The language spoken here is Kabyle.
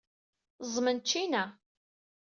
Ẓẓmen ccina.